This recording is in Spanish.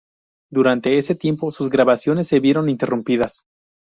Durante ese tiempo, sus grabaciones se vieron interrumpidas.